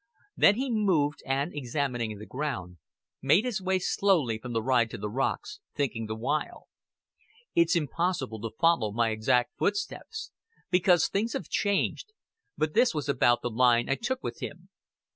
Then he moved, and, examining the ground, made his way slowly from the ride to the rocks, thinking the while, "It's impossible to follow my exact footsteps, because things have changed but this was about the line I took with him."